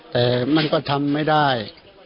แต่มันก็ทำไม่ได้